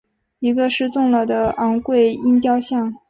一个失纵了的昴贵鹰雕像。